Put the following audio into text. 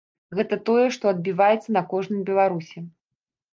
Гэта тое, што адбіваецца на кожным беларусе.